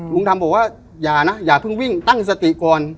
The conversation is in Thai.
ลุงทำบอกว่าอย่านะอย่าเพิ่งวิ่งตั้งสติก่อน